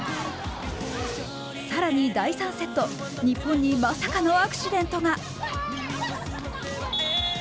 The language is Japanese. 更に第３セット、日本にまさかのアクシデントが。